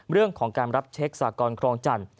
เรื่องของการรับเช็คสากรครองจันทร์